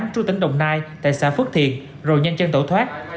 trú tỉnh đồng nai tại xã phước thiền rồi nhanh chân tổ thoát